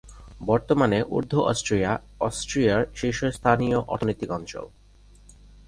বর্তমানে ঊর্ধ্ব অস্ট্রিয়া, অস্ট্রিয়ার শীর্ষস্থানীয় অর্থনৈতিক অঞ্চল।